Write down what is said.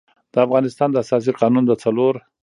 د افغانستان د اساسي قـانون د څلور